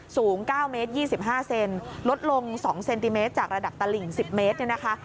สูงเมตรเมตรยี่สิบห้าเซนลดลงสองเซนติเมตรจากระดับตะหลิงสิบเมตรเนี่ยนะคะ